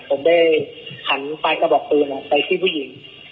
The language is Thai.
ผมได้หันปลายกระบอกปืนไปที่ผู้หญิง